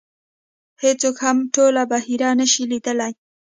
هېڅوک هم ټوله بحیره نه شي لیدلی .